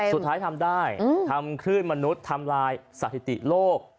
ทำได้ทำคลื่นมนุษย์ทำลายสถิติโลก